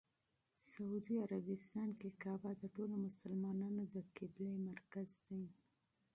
سعودي عربستان کې کعبه د ټولو مسلمانانو د قبله مرکز دی.